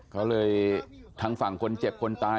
เขาเลยทางฝั่งคนเจ็บคนตาย